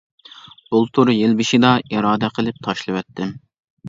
بۇلتۇر يىل بېشىدا ئىرادە قىلىپ تاشلىۋەتتىم.